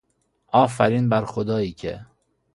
آفرین بر خدائیکه